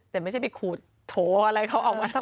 แต่ไม่ใช่ไปขูดโถอะไรเขาออกมา